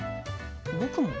僕も？